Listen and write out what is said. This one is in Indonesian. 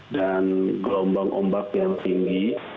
dan gelombang ombak yang tinggi